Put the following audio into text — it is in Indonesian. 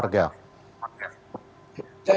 atau aktivitas warga